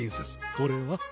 これは？